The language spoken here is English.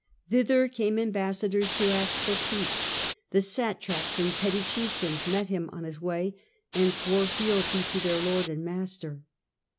Thither came ambassadors to ask for peace ; the satraps and petty chieftains met him on his way, and swore fealty to their lord and master.